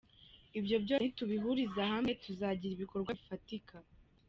Ibyo byose nitubihuriza hamwe tuzagira ibikorwa bifatika.